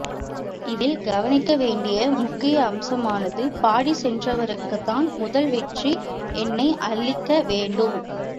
இதில் கவனிக்க வேண்டிய முக்கிய அம்சமானது, பாடிச் சென்றவருக்குத்தான் முதல் வெற்றி எண்ணை அளிக்க வேண்டும்.